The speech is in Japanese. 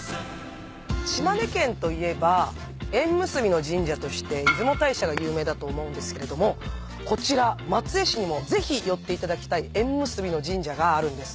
島根県といえば縁結びの神社として出雲大社が有名だと思うんですけれどもこちら松江市にもぜひ寄っていただきたい縁結びの神社があるんです。